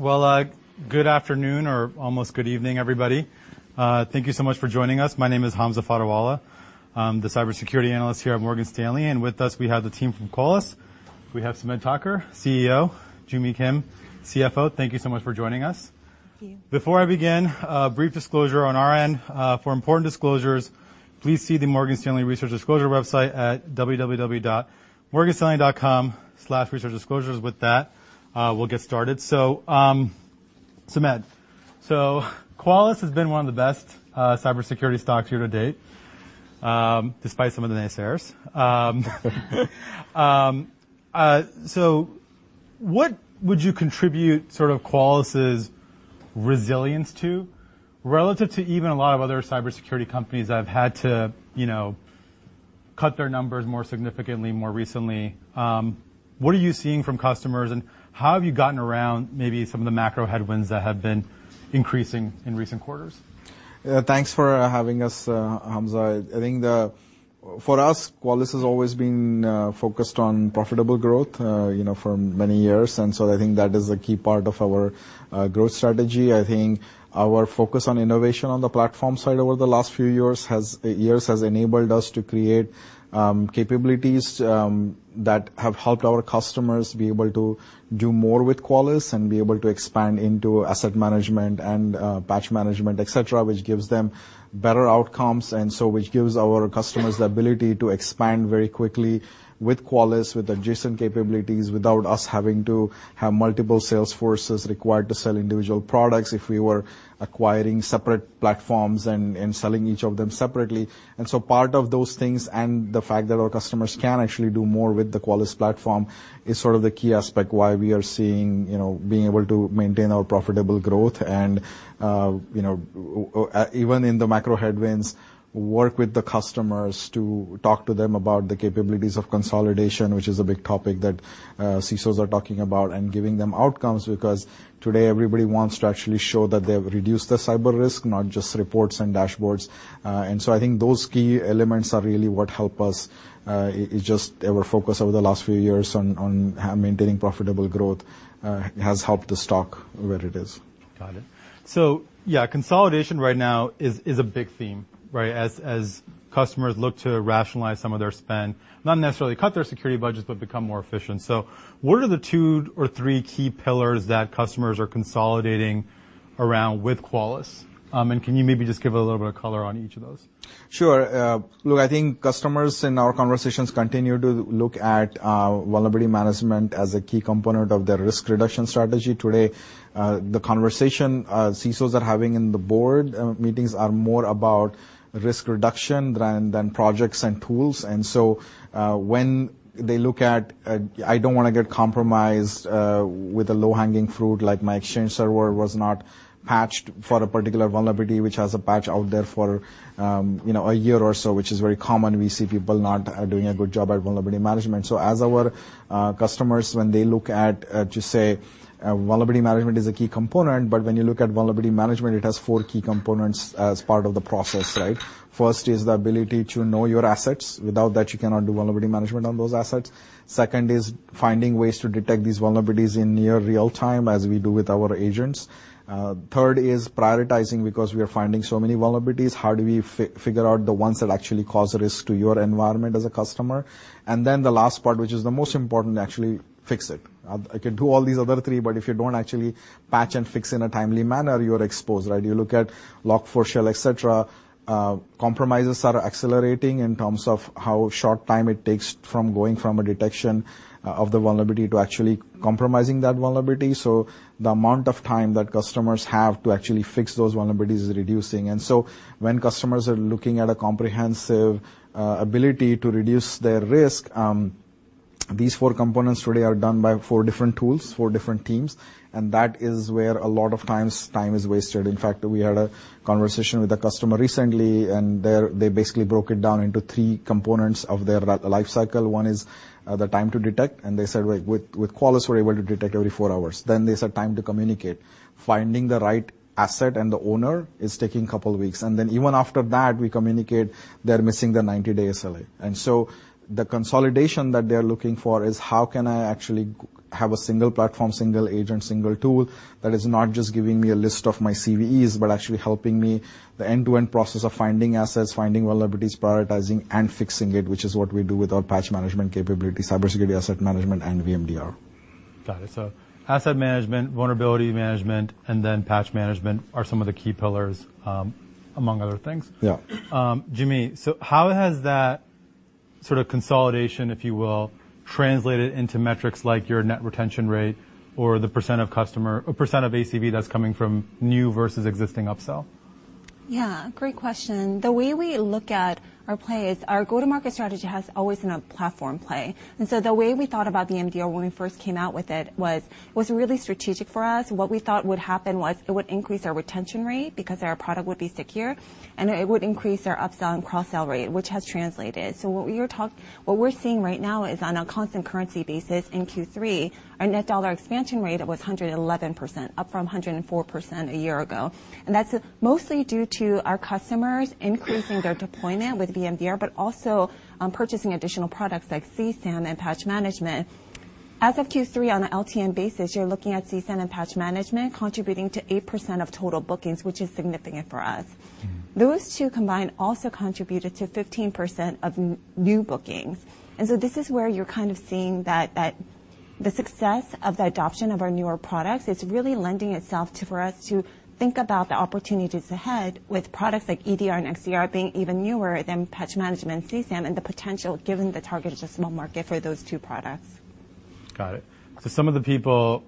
Well, good afternoon or almost good evening, everybody. Thank you so much for joining us. My name is Hamza Fodderwala. I'm the cybersecurity analyst here at Morgan Stanley. With us we have the team from Qualys. We have Sumedh Thakar, CEO, Joo Mi Kim, CFO. Thank you so much for joining us. Thank you. Before I begin, a brief disclosure on our end. For important disclosures, please see the Morgan Stanley research disclosure website at www.morganstanley.com/researchdisclosures. With that, we'll get started. Sumedh, Qualys has been one of the best cybersecurity stocks year to date, despite some of the naysayers. What would you contribute sort of Qualys' resilience to relative to even a lot of other cybersecurity companies that have had to, you know, cut their numbers more significantly more recently? What are you seeing from customers and how have you gotten around maybe some of the macro headwinds that have been increasing in recent quarters? Thanks for having us, Hamza. For us, Qualys has always been focused on profitable growth, you know, for many years, and so I think that is a key part of our growth strategy. I think our focus on innovation on the platform side over the last few years has enabled us to create capabilities that have helped our customers be able to do more with Qualys and be able to expand into asset management and patch management, et cetera, which gives them better outcomes, and so which gives our customers the ability to expand very quickly with Qualys, with adjacent capabilities, without us having to have multiple sales forces required to sell individual products if we were acquiring separate platforms and selling each of them separately. Part of those things and the fact that our customers can actually do more with the Qualys platform is sort of the key aspect why we are seeing, you know, being able to maintain our profitable growth and, you know, even in the macro headwinds, work with the customers to talk to them about the capabilities of consolidation, which is a big topic that CISOs are talking about, and giving them outcomes. Because today everybody wants to actually show that they've reduced their cyber risk, not just reports and dashboards. I think those key elements are really what help us. It just, our focus over the last few years on maintaining profitable growth, has helped the stock where it is. Got it. Yeah, consolidation right now is a big theme, right? As customers look to rationalize some of their spend. Not necessarily cut their security budgets, but become more efficient. What are the two or three key pillars that customers are consolidating around with Qualys? Can you maybe just give a little bit of color on each of those? Sure. look, I think customers in our conversations continue to look at vulnerability management as a key component of their risk reduction strategy today. The conversation CISOs are having in the board meetings are more about risk reduction rather than projects and tools. When they look at, "I don't wanna get compromised, with a low-hanging fruit like my exchange server was not patched for a particular vulnerability," which has a patch out there for, you know, one year or so, which is very common. We see people not doing a good job at vulnerability management. As our customers when they look at just say vulnerability management is a key component, but when you look at vulnerability management, it has four key components as part of the process, right? First is the ability to know your assets. Without that, you cannot do vulnerability management on those assets. Second is finding ways to detect these vulnerabilities in near real time, as we do with our agents. Third is prioritizing because we are finding so many vulnerabilities, how do we figure out the ones that actually cause a risk to your environment as a customer? The last part, which is the most important, actually fix it. I can do all these other three, but if you don't actually patch and fix in a timely manner, you are exposed, right? You look at Log4Shell, et cetera, compromises are accelerating in terms of how short time it takes from going from a detection of the vulnerability to actually compromising that vulnerability. The amount of time that customers have to actually fix those vulnerabilities is reducing. When customers are looking at a comprehensive ability to reduce their risk, these four components today are done by four different tools, four different teams, and that is where a lot of times time is wasted. In fact, we had a conversation with a customer recently, and they basically broke it down into three components of their lifecycle. One is the time to detect, and they said, "With Qualys, we're able to detect every four hours." Then they said time to communicate. Finding the right asset and the owner is taking couple weeks. Even after that we communicate they're missing the 90-day SLA. The consolidation that they're looking for is, "How can I actually have a single platform, single agent, single tool that is not just giving me a list of my CVEs, but actually helping me the end-to-end process of finding assets, finding vulnerabilities, prioritizing and fixing it?" Which is what we do with our Patch Management capability, Cybersecurity Asset Management and VMDR. Got it. Asset Management, Vulnerability Management, and then Patch Management are some of the key pillars among other things. Yeah. Joo Mi Kim, how has that sort of consolidation, if you will, translated into metrics like your net retention rate or the percentage of ACV that's coming from new versus existing upsell? Yeah, great question. The way we look at our play is our go-to-market strategy has always been a platform play, and so the way we thought about VMDR when we first came out with it was really strategic for us. What we thought would happen was it would increase our retention rate because our product would be secure and it would increase our upsell and cross-sell rate, which has translated. What we're seeing right now is on a constant currency basis in Q3, our net dollar expansion rate was 111%, up from 104% a year ago. That's mostly due to our customers increasing their deployment with VMDR, but also purchasing additional products like CSAM and Patch Management. As of Q3 on an LTM basis, you're looking at CSAM and Patch Management contributing to 8% of total bookings, which is significant for us. Those two combined also contributed to 15% of new bookings. This is where you're kind of seeing that the success of the adoption of our newer products is really lending itself to, for us to think about the opportunities ahead with products like EDR and XDR being even newer than Patch Management and CSAM, and the potential given the target is a small market for those two products. Got it. Some of the people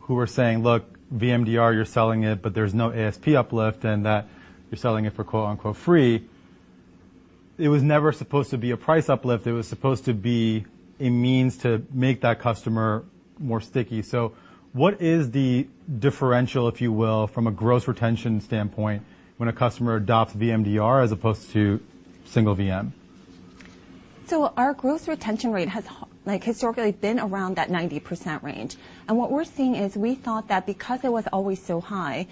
who are saying, "Look, VMDR, you're selling it, but there's no ASP uplift, and that you're selling it for quote unquote free," it was never supposed to be a price uplift. It was supposed to be a means to make that customer more sticky. What is the differential, if you will, from a gross retention standpoint when a customer adopts VMDR as opposed to single VMDR? Our gross retention rate has, like historically been around that 90% range. What we're seeing is we thought that because it was always so high,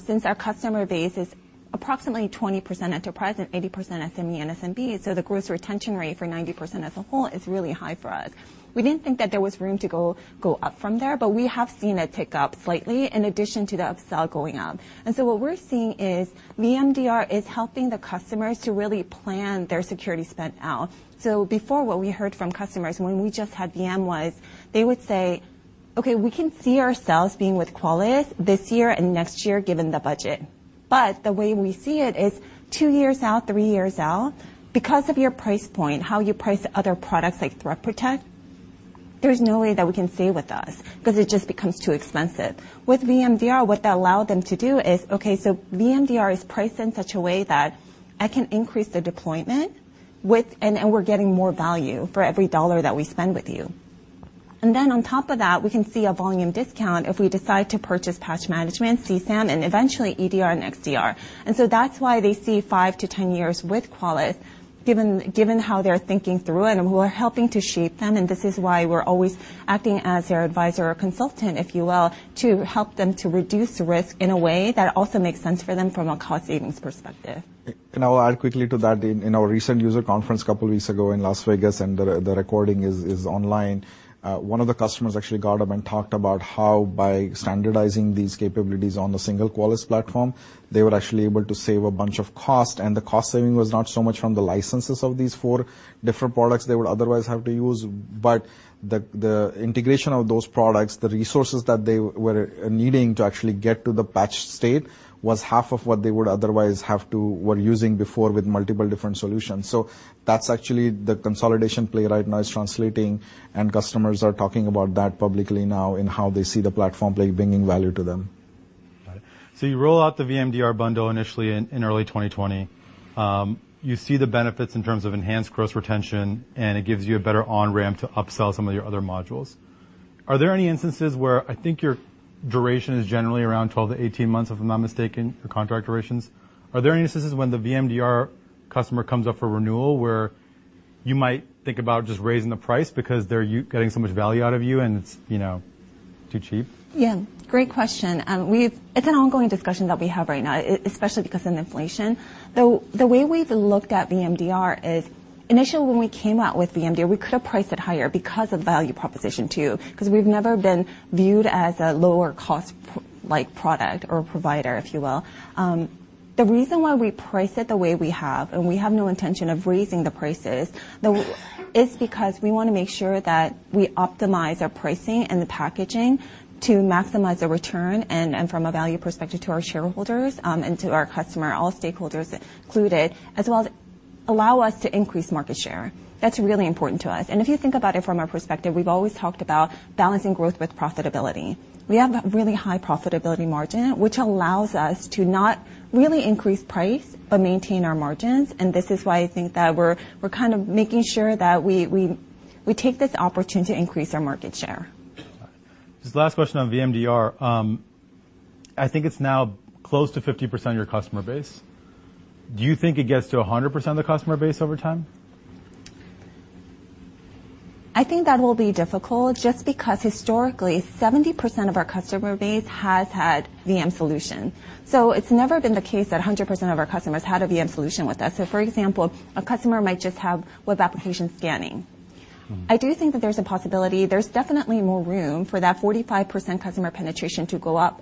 since our customer base is approximately 20% enterprise and 80% SME and SMB, so the gross retention rate for 90% as a whole is really high for us. We didn't think that there was room to go up from there, but we have seen it tick up slightly in addition to the upsell going up. What we're seeing is VMDR is helping the customers to really plan their security spend out. Before, what we heard from customers when we just had VMDR was, they would say, "Okay, we can see ourselves being with Qualys this year and next year, given the budget. The way we see it is two years out, three years out, because of your price point, how you price other products like Threat Protection, there's no way that we can stay with us 'cause it just becomes too expensive." With VMDR, what that allowed them to do is, "Okay, VMDR is priced in such a way that I can increase the deployment with... and we're getting more value for every dollar that we spend with you. On top of that, we can see a volume discount if we decide to purchase Patch Management, CSAM, and eventually EDR and XDR. That's why they see 5 to 10 years with Qualys given how they're thinking through it and we're helping to shape them, and this is why we're always acting as their advisor or consultant, if you will, to help them to reduce risk in a way that also makes sense for them from a cost savings perspective. I'll add quickly to that. In our recent user conference a couple weeks ago in Las Vegas, and the recording is online, one of the customers actually got up and talked about how by standardizing these capabilities on the single Qualys platform, they were actually able to save a bunch of cost, and the cost saving was not so much from the licenses of these 4 different products they would otherwise have to use, but the integration of those products, the resources that they were needing to actually get to the patched state was half of what they would otherwise were using before with multiple different solutions. That's actually the consolidation play right now is translating, and customers are talking about that publicly now in how they see the platform play bringing value to them. Got it. You roll out the VMDR bundle initially in early 2020. You see the benefits in terms of enhanced gross retention, and it gives you a better on-ramp to upsell some of your other modules. Are there any instances where... I think your duration is generally around 12-18 months, if I'm not mistaken, your contract durations. Are there any instances when the VMDR customer comes up for renewal where you might think about just raising the price because they're getting so much value out of you and it's, you know, too cheap? Yeah. Great question. It's an ongoing discussion that we have right now, especially because of inflation. The way we've looked at VMDR is initially when we came out with VMDR, we could have priced it higher because of value proposition too, 'cause we've never been viewed as a lower cost product or provider, if you will. The reason why we price it the way we have, and we have no intention of raising the prices, is because we wanna make sure that we optimize our pricing and the packaging to maximize the return and from a value perspective to our shareholders, and to our customer, all stakeholders included, as well as allow us to increase market share. That's really important to us. If you think about it from our perspective, we've always talked about balancing growth with profitability. We have a really high profitability margin, which allows us to not really increase price, but maintain our margins. This is why I think that we're kind of making sure that we take this opportunity to increase our market share. All right. Just the last question on VMDR. I think it's now close to 50% of your customer base. Do you think it gets to 100% of the customer base over time? I think that will be difficult just because historically, 70% of our customer base has had VMDR solution. It's never been the case that 100% of our customers had a VMDR solution with us. For example, a customer might just have Web Application Scanning I do think that there's a possibility. There's definitely more room for that 45% customer penetration to go up.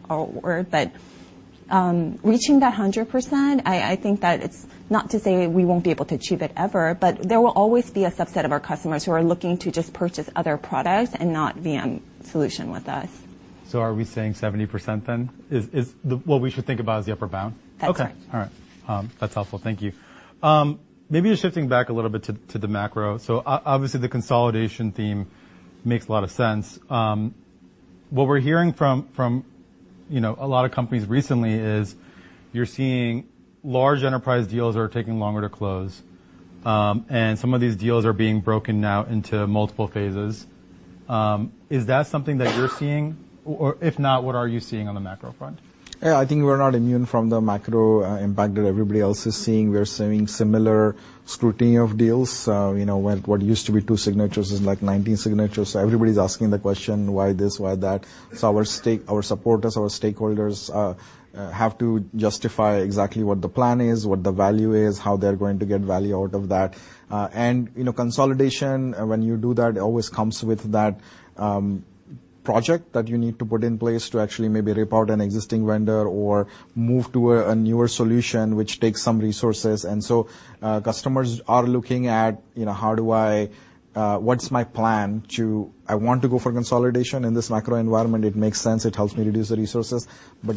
Reaching that 100%, I think that it's not to say we won't be able to achieve it ever, but there will always be a subset of our customers who are looking to just purchase other products and not VMDR solution with us. Are we saying 70% then is what we should think about as the upper bound? That's right. Okay. All right. That's helpful. Thank you. Maybe just shifting back a little bit to the macro. Obviously, the consolidation theme makes a lot of sense. What we're hearing from, you know, a lot of companies recently is you're seeing large enterprise deals are taking longer to close, and some of these deals are being broken now into multiple phases. Is that something that you're seeing? Or if not, what are you seeing on the macro front? Yeah, I think we're not immune from the macro impact that everybody else is seeing. We're seeing similar scrutiny of deals. You know, what used to be 2 signatures is like 19 signatures. Everybody's asking the question, "Why this? Why that?" Our stake...our supporters, our stakeholders, have to justify exactly what the plan is, what the value is, how they're going to get value out of that. you know, consolidation, when you do that, it always comes with that. project that you need to put in place to actually maybe rip out an existing vendor or move to a newer solution which takes some resources. Customers are looking at, you know, how do I, what's my plan to... I want to go for consolidation. In this macro environment, it makes sense. It helps me reduce the resources.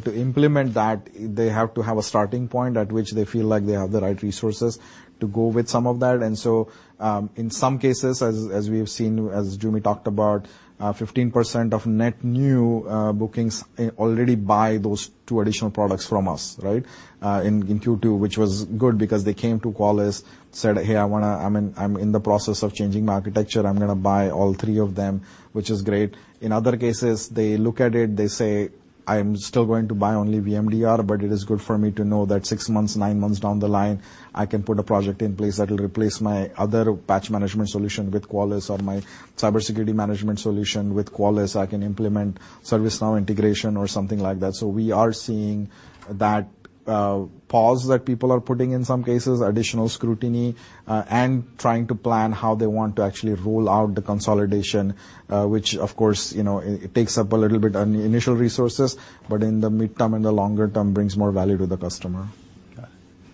To implement that, they have to have a starting point at which they feel like they have the right resources to go with some of that. In some cases, as we have seen, as Joo Mi Kim talked about, 15% of net new bookings already buy those two additional products from us, right? In Q2, which was good because they came to Qualys, said, "Hey, I'm in the process of changing my architecture. I'm gonna buy all 3 of them," which is great. In other cases, they look at it, they say, "I am still going to buy only VMDR, but it is good for me to know that 6 months, 9 months down the line, I can put a project in place that will replace my other Patch Management solution with Qualys or my cybersecurity management solution with Qualys. I can implement ServiceNow integration or something like that." We are seeing that pause that people are putting in some cases, additional scrutiny, and trying to plan how they want to actually roll out the consolidation, which of course, you know, it takes up a little bit on initial resources, but in the midterm and the longer term brings more value to the customer.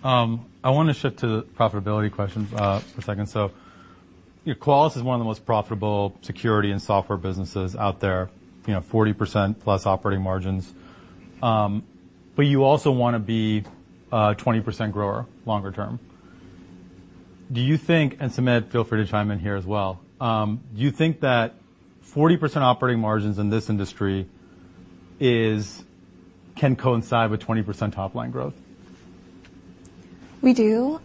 I wanna shift to profitability questions for a second. Qualys is one of the most profitable security and software businesses out there, you know, 40%+ operating margins. You also wanna be a 20% grower longer term. Do you think, and Sumedh, feel free to chime in here as well, do you think that 40% operating margins in this industry can coincide with 20% top line growth? We do,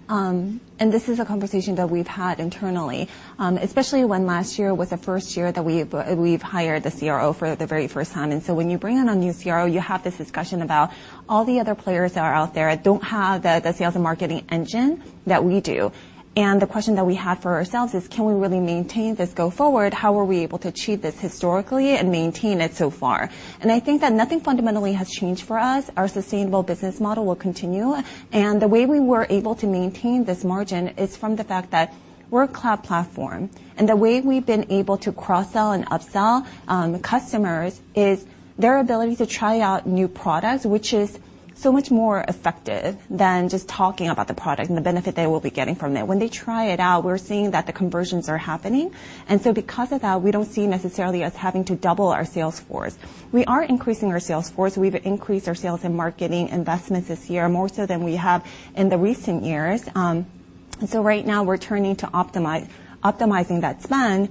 this is a conversation that we've had internally, especially when last year was the first year that we've hired the CRO for the very first time. When you bring on a new CRO, you have this discussion about all the other players that are out there that don't have the sales and marketing engine that we do. The question that we have for ourselves is, can we really maintain this go forward? How are we able to achieve this historically and maintain it so far? I think that nothing fundamentally has changed for us. Our sustainable business model will continue. The way we were able to maintain this margin is from the fact that we're a cloud platform, and the way we've been able to cross-sell and up-sell customers is their ability to try out new products, which is so much more effective than just talking about the product and the benefit they will be getting from it. When they try it out, we're seeing that the conversions are happening. Because of that, we don't see necessarily us having to double our sales force. We are increasing our sales force. We've increased our sales and marketing investment this year more so than we have in the recent years. Right now we're turning to optimize, optimizing that spend.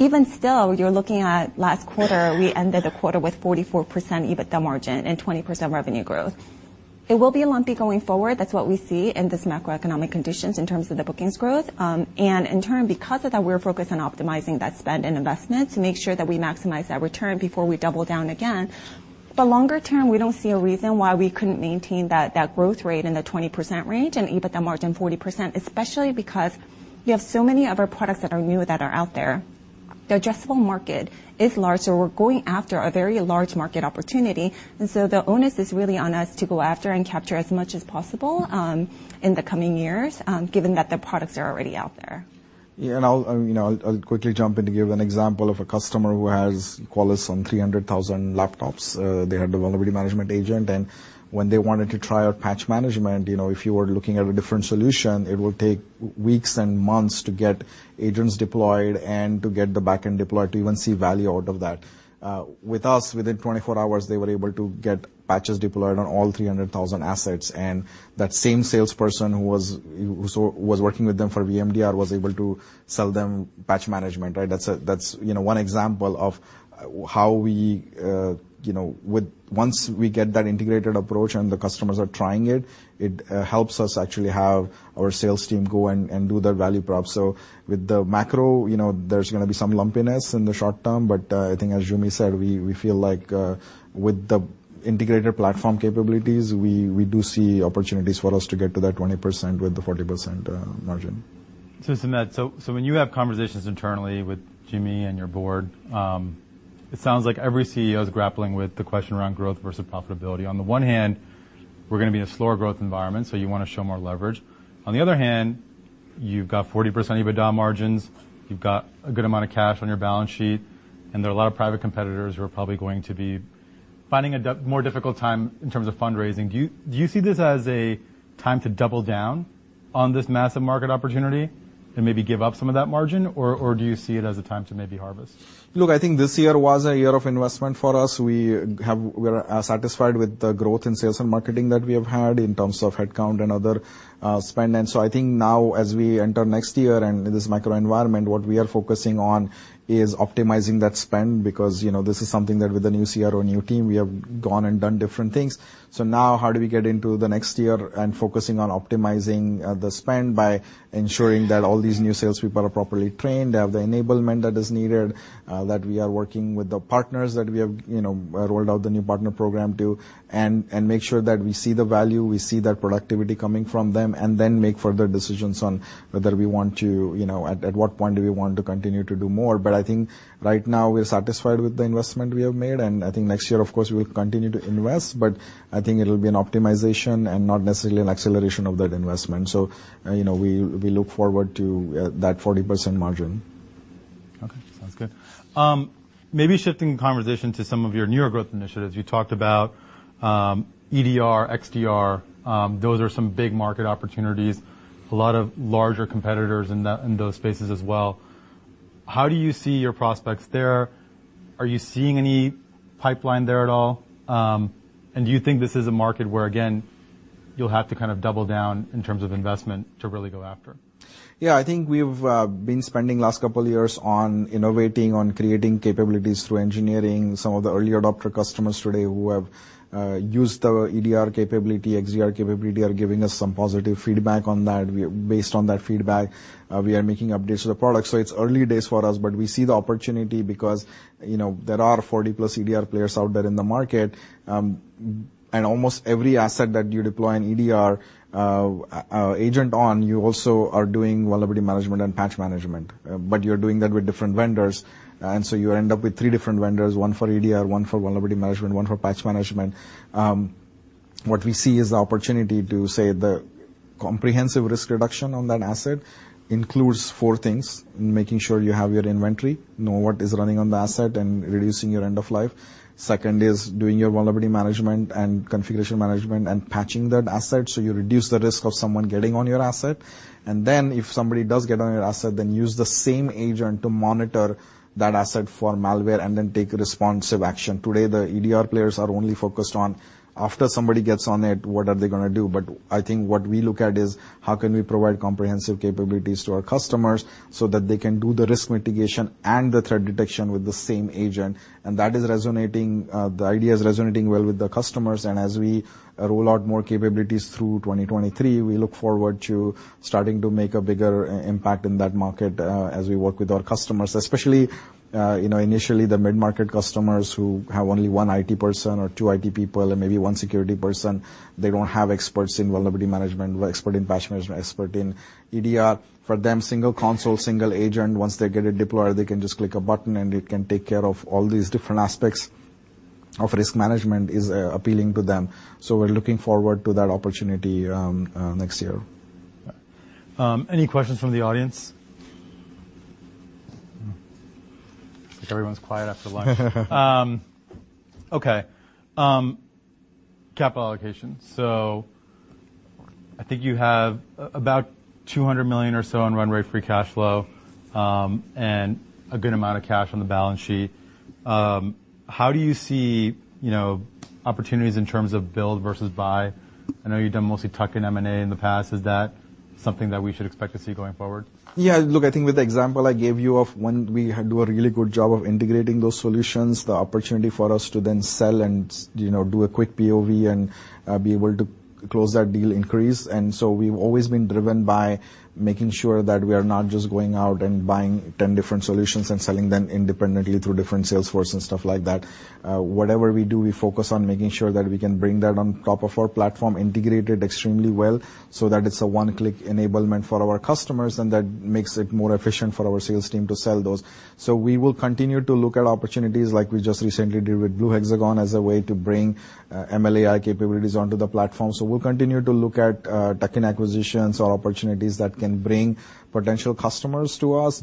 Even still, you're looking at last quarter, we ended the quarter with 44% EBITDA margin and 20% revenue growth. It will be lumpy going forward. That's what we see in this macroeconomic conditions in terms of the bookings growth. In turn, because of that, we're focused on optimizing that spend and investment to make sure that we maximize that return before we double down again. Longer term, we don't see a reason why we couldn't maintain that growth rate in the 20% range and EBITDA margin 40%, especially because you have so many other products that are new that are out there. The addressable market is large, so we're going after a very large market opportunity. The onus is really on us to go after and capture as much as possible in the coming years, given that the products are already out there. Yeah, I'll, you know, I'll quickly jump in to give an example of a customer who has Qualys on 300,000 laptops. They had the vulnerability management agent, when they wanted to try out Patch Management, you know, if you were looking at a different solution, it would take weeks and months to get agents deployed and to get the back end deployed to even see value out of that. With us, within 24 hours, they were able to get patches deployed on all 300,000 assets, that same salesperson who was working with them for VMDR was able to sell them Patch Management, right? That's, you know, one example of how we, you know, with. Once we get that integrated approach and the customers are trying it helps us actually have our sales team go and do the value prop. With the macro, you know, there's gonna be some lumpiness in the short term, but I think as Joo Mi Kim said, we feel like with the integrated platform capabilities, we do see opportunities for us to get to that 20% with the 40% margin. Sumedh, when you have conversations internally with Joo Mi Kim and your board, it sounds like every CEO is grappling with the question around growth versus profitability. On the one hand, we're gonna be in a slower growth environment, so you wanna show more leverage. On the other hand, you've got 40% EBITDA margins, you've got a good amount of cash on your balance sheet, and there are a lot of private competitors who are probably going to be finding a more difficult time in terms of fundraising. Do you see this as a time to double down on this massive market opportunity and maybe give up some of that margin, or do you see it as a time to maybe harvest? Look, I think this year was a year of investment for us. We're satisfied with the growth in sales and marketing that we have had in terms of headcount and other spend. I think now as we enter next year and in this macro environment, what we are focusing on is optimizing that spend because, you know, this is something that with the new CRO, new team, we have gone and done different things. Now how do we get into the next year and focusing on optimizing the spend by ensuring that all these new salespeople are properly trained, they have the enablement that is needed, that we are working with the partners that we have, you know, rolled out the new partner program to, and make sure that we see the value, we see that productivity coming from them, and then make further decisions on whether we want to, you know, at what point do we want to continue to do more. I think right now we're satisfied with the investment we have made, and I think next year, of course, we will continue to invest, but I think it'll be an optimization and not necessarily an acceleration of that investment. You know, we look forward to that 40% margin. Okay. Sounds good. Maybe shifting the conversation to some of your newer growth initiatives. You talked about, EDR, XDR. Those are some big market opportunities. A lot of larger competitors in those spaces as well. How do you see your prospects there? Are you seeing any pipeline there at all? Do you think this is a market where, again, you'll have to kind of double down in terms of investment to really go after? I think we've been spending last couple years on innovating, on creating capabilities through engineering. Some of the early adopter customers today who have used our EDR capability, XDR capability are giving us some positive feedback on that. Based on that feedback, we are making updates to the product. It's early days for us, but we see the opportunity because, you know, there are 40-plus EDR players out there in the market. Almost every asset that you deploy an EDR agent on, you also are doing vulnerability management and patch management, but you're doing that with different vendors. You end up with 3 different vendors, 1 for EDR, 1 for vulnerability management, 1 for patch management. What we see is the opportunity to say the comprehensive risk reduction on that asset includes four things, making sure you have your inventory, know what is running on the asset, and reducing your end of life. Second is doing your Vulnerability Management and Configuration Management and patching that asset, so you reduce the risk of someone getting on your asset. If somebody does get on your asset, then use the same agent to monitor that asset for malware and then take responsive action. Today, the EDR players are only focused on after somebody gets on it, what are they gonna do? I think what we look at is how can we provide comprehensive capabilities to our customers so that they can do the risk mitigation and the threat detection with the same agent. That is resonating, the idea is resonating well with the customers. As we roll out more capabilities through 2023, we look forward to starting to make a bigger impact in that market, as we work with our customers. Especially, you know, initially, the mid-market customers who have only one IT person or two IT people and maybe one security person, they don't have experts in Vulnerability Management or expert in Patch Management, expert in EDR. For them, single console, single agent, once they get it deployed, they can just click a button, and it can take care of all these different aspects of risk management, is appealing to them. We're looking forward to that opportunity next year. Any questions from the audience? Everyone's quiet after lunch. Okay. Capital allocation. I think you have about $200 million or so in run rate free cash flow, and a good amount of cash on the balance sheet. How do you see, you know, opportunities in terms of build versus buy? I know you've done mostly tuck-in M&A in the past. Is that something that we should expect to see going forward? Yeah, look, I think with the example I gave you of when we do a really good job of integrating those solutions, the opportunity for us to then sell and, you know, do a quick POV and be able to close that deal increase. We've always been driven by making sure that we are not just going out and buying 10 different solutions and selling them independently through different sales force and stuff like that. Whatever we do, we focus on making sure that we can bring that on top of our platform, integrate it extremely well, so that it's a one-click enablement for our customers, and that makes it more efficient for our sales team to sell those. We will continue to look at opportunities like we just recently did with Blue Hexagon as a way to bring ML/AI capabilities onto the platform. We'll continue to look at tuck-in acquisitions or opportunities that can bring potential customers to us.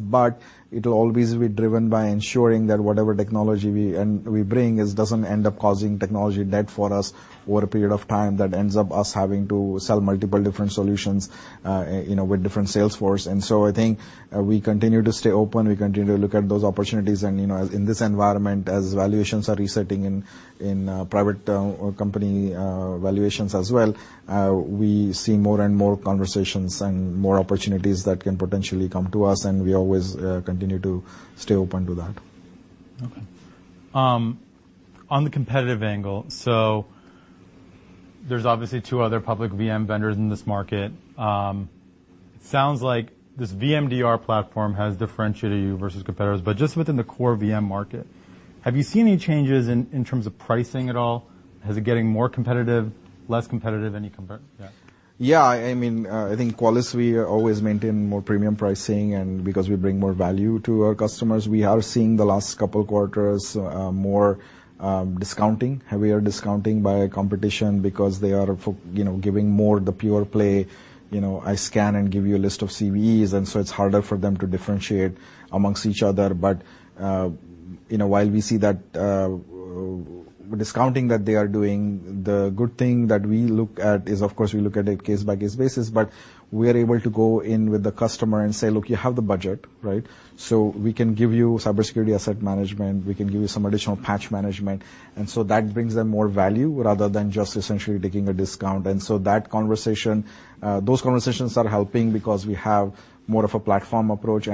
It'll always be driven by ensuring that whatever technology we bring doesn't end up causing technology debt for us over a period of time that ends up us having to sell multiple different solutions, you know, with different sales force. I think we continue to stay open. We continue to look at those opportunities. You know, in this environment, as valuations are resetting in private company valuations as well, we see more and more conversations and more opportunities that can potentially come to us, and we always continue to stay open to that. On the competitive angle, there's obviously two other public VMDR vendors in this market. It sounds like this VMDR platform has differentiated you versus competitors. Just within the core VMDR market, have you seen any changes in terms of pricing at all? Is it getting more competitive, less competitive, any? Yeah. I mean, I think Qualys, we always maintain more premium pricing and because we bring more value to our customers. We are seeing the last couple quarters, more discounting, heavier discounting by competition because they are, you know, giving more the pure play. You know, I scan and give you a list of CVEs, it's harder for them to differentiate amongst each other. You know, while we see that discounting that they are doing, the good thing that we look at is, of course, we look at a case-by-case basis, but we are able to go in with the customer and say, "Look, you have the budget, right? We can give you Cybersecurity Asset Management. We can give you some additional Patch Management." That brings them more value rather than just essentially taking a discount. That conversation, those conversations are helping because we have more of a platform approach.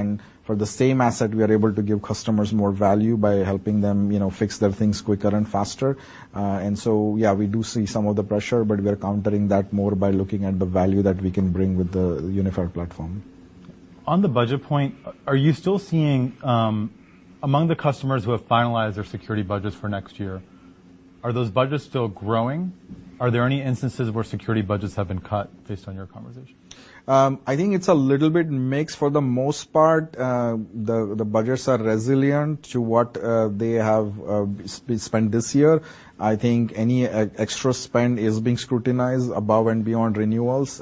For the same asset, we are able to give customers more value by helping them, you know, fix their things quicker and faster. Yeah, we do see some of the pressure, but we are countering that more by looking at the value that we can bring with the unified platform. On the budget point, are you still seeing, among the customers who have finalized their security budgets for next year, are those budgets still growing? Are there any instances where security budgets have been cut based on your conversations? I think it's a little bit mixed. For the most part, the budgets are resilient to what they have spent this year. I think any extra spend is being scrutinized above and beyond renewals.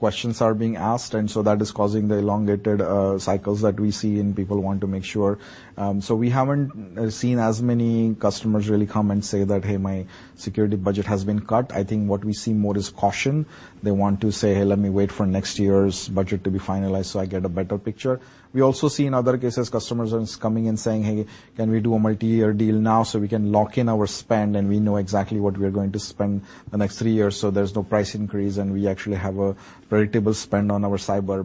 Questions are being asked, and so that is causing the elongated cycles that we see, and people want to make sure. We haven't seen as many customers really come and say that, "Hey, my security budget has been cut." I think what we see more is caution. They want to say, "Let me wait for next year's budget to be finalized so I get a better picture." We also see in other cases, customers just coming and saying, "Hey, can we do a multi-year deal now so we can lock in our spend, and we know exactly what we are going to spend the next 3 years, so there's no price increase, and we actually have a predictable spend on our cyber?"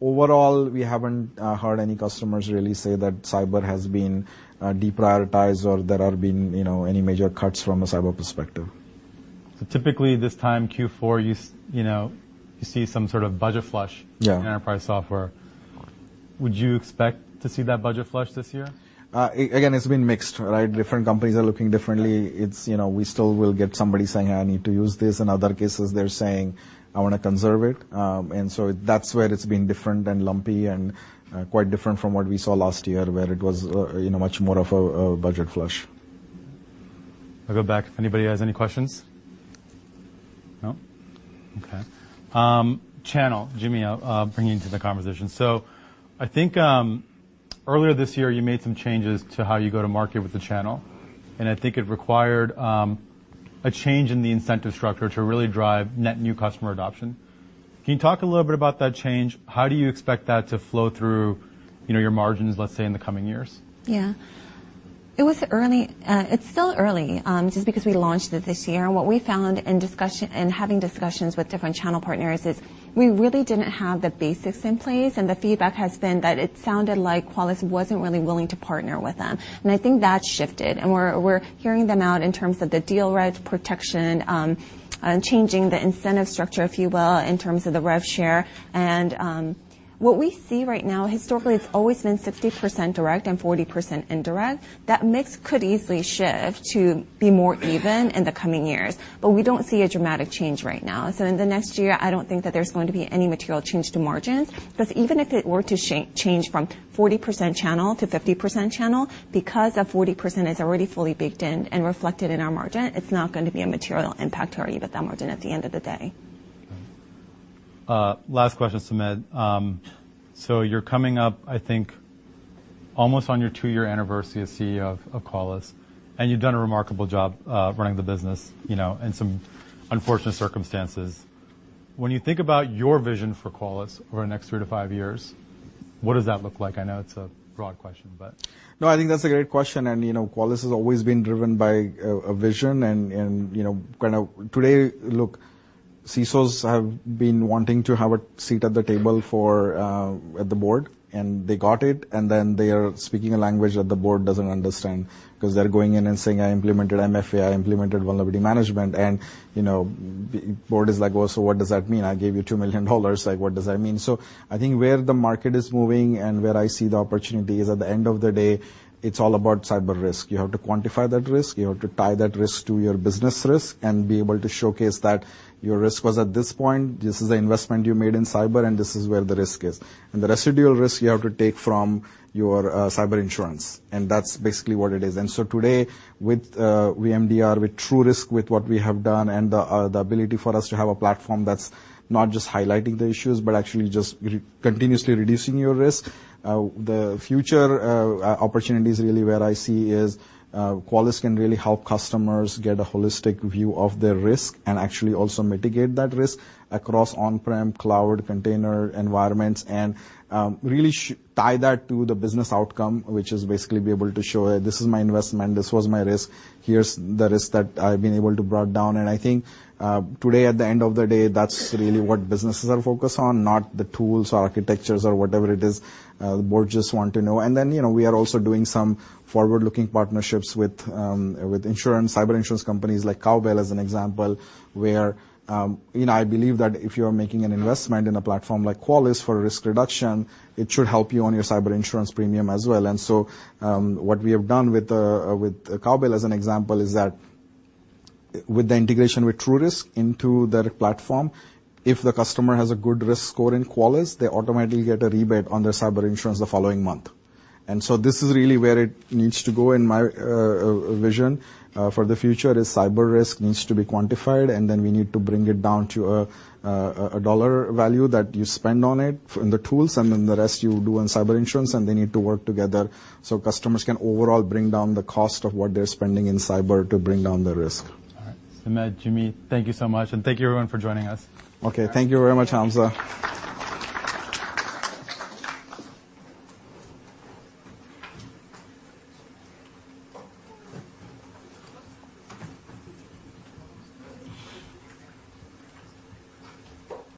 Overall, we haven't heard any customers really say that cyber has been deprioritized or there have been, you know, any major cuts from a cyber perspective. Typically this time, Q4, you know, you see some sort of budget flush. Yeah. in enterprise software. Would you expect to see that budget flush this year? again, it's been mixed, right? Different companies are looking differently. Yeah. It's, you know, we still will get somebody saying, "I need to use this." In other cases, they're saying, "I wanna conserve it." That's where it's been different and lumpy and quite different from what we saw last year where it was, you know, much more of a budget flush. I'll go back if anybody has any questions. No? Okay. Channel. Joo Mi Kim I'll bring you into the conversation. I think, earlier this year you made some changes to how you go to market with the channel, and I think it required a change in the incentive structure to really drive net new customer adoption. Can you talk a little bit about that change? How do you expect that to flow through, you know, your margins, let's say, in the coming years? Yeah. It was early. It's still early just because we launched it this year. What we found in having discussions with different channel partners is we really didn't have the basics in place. The feedback has been that it sounded like Qualys wasn't really willing to partner with them. I think that's shifted. We're hearing them out in terms of the deal registration protection, changing the incentive structure, if you will, in terms of the rev share. What we see right now, historically it's always been 60% direct and 40% indirect. That mix could easily shift to be more even in the coming years, but we don't see a dramatic change right now. In the next year, I don't think that there's going to be any material change to margins, 'cause even if it were to change from 40% channel to 50% channel, because that 40% is already fully baked in and reflected in our margin, it's not going to be a material impact to our EBITDA margin at the end of the day. Okay. Last question, Sumedh. You're coming up, I think, almost on your two-year anniversary as CEO of Qualys, and you've done a remarkable job, running the business, you know, in some unfortunate circumstances. When you think about your vision for Qualys over the next three to five years, what does that look like? I know it's a broad question, but. No, I think that's a great question. You know, Qualys has always been driven by a vision, and, you know, Today, look, CISOs have been wanting to have a seat at the table for at the board, and they got it, and then they are speaking a language that the board doesn't understand. Because they're going in and saying, "I implemented MFA, I implemented vulnerability management," and, you know, the board is like, "Well, what does that mean? I gave you $2 million, like, what does that mean?" I think where the market is moving and where I see the opportunity is, at the end of the day, it's all about cyber risk. You have to quantify that risk. You have to tie that risk to your business risk and be able to showcase that your risk was at this point, this is the investment you made in cyber, and this is where the risk is. The residual risk you have to take from your cyber insurance, and that's basically what it is. Today, with MDR, with TruRisk, with what we have done and the ability for us to have a platform that's not just highlighting the issues but actually just continuously reducing your risk, the future opportunities really where I see is Qualys can really help customers get a holistic view of their risk and actually also mitigate that risk across on-prem, cloud, container environments and really tie that to the business outcome, which is basically be able to show, this is my investment, this was my risk, here's the risk that I've been able to brought down. I think, today at the end of the day, that's really what businesses are focused on, not the tools or architectures or whatever it is. The board just want to know. You know, we are also doing some forward-looking partnerships with insurance, Cyber Insurance companies like Cowbell as an example, where, you know, I believe that if you're making an investment in a platform like Qualys for risk reduction, it should help you on your Cyber Insurance premium as well. What we have done with Cowbell as an example is that with the integration with TruRisk into their platform, if the customer has a good risk score in Qualys, they automatically get a rebate on their Cyber Insurance the following month. This is really where it needs to go. My vision for the future is cyber risk needs to be quantified. Then we need to bring it down to a dollar value that you spend on it from the tools. Then the rest you do on Cyber Insurance. They need to work together so customers can overall bring down the cost of what they're spending in cyber to bring down the risk. All right. Sumedh, Joo Mi Kim, thank you so much, and thank you everyone for joining us. Okay. Thank you very much, Hamza.